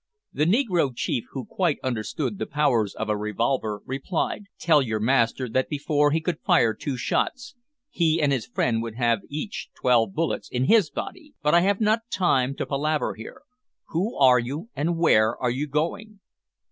The negro chief, who quite understood the powers of a revolver, replied "Tell your master, that before he could fire two shots, he and his friend would have each twelve bullets in his body. But I have not time to palaver here. Who are you, and where are you going?"